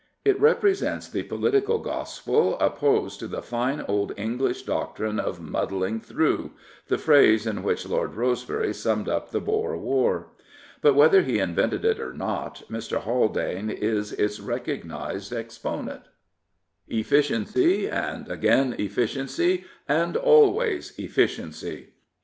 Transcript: It represents the political gospel opposed to the fine old English doctrine of " muddling through," the phrase in which Lord Rose bery summed up the Boer War. But whether he invented it or not, Mr. Haldane is its recognised 387 Prophets, Priests, and Kings exponent. Efficiency, and again efficiency, and always efficiency.